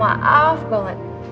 minta maaf banget